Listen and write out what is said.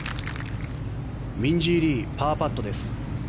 ミンジー・リーパーパットです。